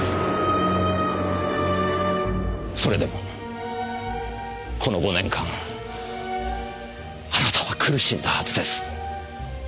それでもこの５年間あなたは苦しんだはずです。